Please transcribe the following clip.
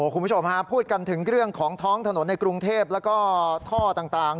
คุณผู้ชมฮะพูดกันถึงเรื่องของท้องถนนในกรุงเทพแล้วก็ท่อต่าง